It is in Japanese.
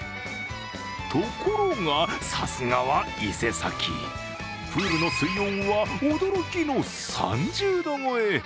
ところが、さすがは伊勢崎、プールの水温は驚きの３０度超え。